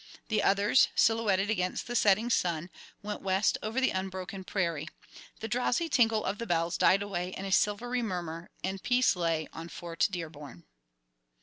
The others, silhouetted against the setting sun, went west over the unbroken prairie; the drowsy tinkle of the bells died away in a silvery murmur, and peace lay on Fort Dearborn.